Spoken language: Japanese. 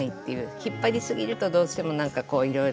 引っ張りすぎるとどうしてもなんかこういろいろなっちゃうんで。